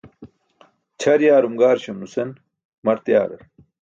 Ćʰar yaarum gaarsam nusen mart yaarar.